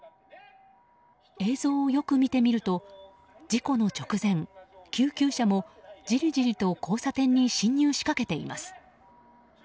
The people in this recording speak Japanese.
映像をよく見てみると事故の直前、救急車もじりじりと交差点に進入しかけています。